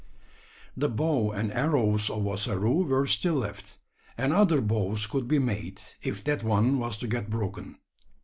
The bow and arrows of Ossaroo were still left, and other bows could be made, if that one was to get broken.